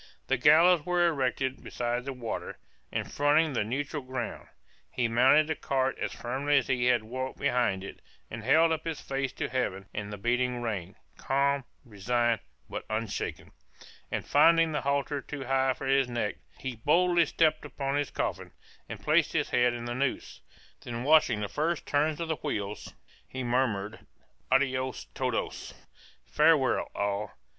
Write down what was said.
The gallows was erected beside the water, and fronting the neutral ground. He mounted the cart as firmly as he had walked behind it, and held up his face to Heaven and the beating rain, calm, resigned, but unshaken; and finding the halter too high for his neck, he boldly stepped upon his coffin, and placed his head in the noose, then watching the first turn of the wheels, he murmured "adios todos," [Footnote: "Farewell, all."